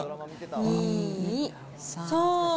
２、３。